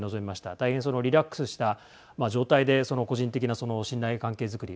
大変リラックスした状態で個人的な信頼関係づくり